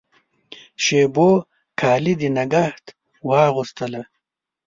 شېبو کالي د نګهت واغوستله